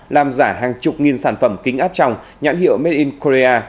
làm giả hàng chục nghìn sản phẩm kính áp trong nhãn hiệu made in korea